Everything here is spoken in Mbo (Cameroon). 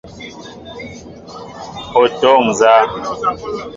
O toóŋ nzá ?